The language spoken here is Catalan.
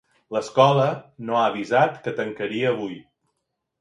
L'escola no ha avisat que tancaria avui.